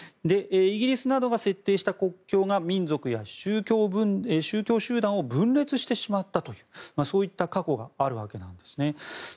イギリスなどが設定した国境が民族や宗教集団を分断してしまったとそういった過去があるわけなんですね。